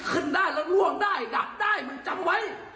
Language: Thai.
ขึ้นได้แล้วล่วงได้ดับได้มึงจำไว้